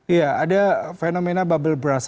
iya ada fenomena bubble brush